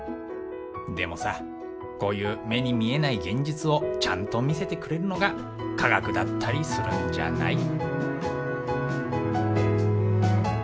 でもさこういう目に見えない現実をちゃんと見せてくれるのが科学だったりするんじゃない？